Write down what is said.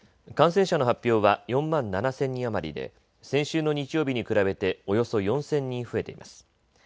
感染者の発表は４万７０００人余りで先週の日曜日に比べておよそ４０００人増えています。